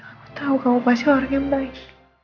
aku tahu kamu pasti orang yang baik